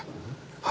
はい。